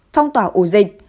phong tỏa ủi